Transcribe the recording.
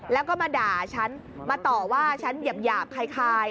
แล้วก็มาด่าฉันมาต่อว่าฉันหยาบคล้าย